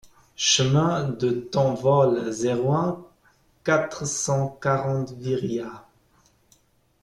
Chemin de Tanvol, zéro un, quatre cent quarante Viriat